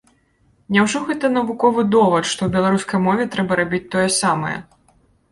Няўжо гэта навуковы довад, што ў беларускай мове трэба рабіць тое самае?